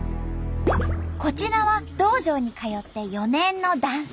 こちらは道場に通って４年の男性。